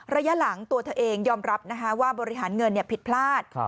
ระยะหลังตัวเธอเองยอมรับว่าบริหารเงินผิดพลาด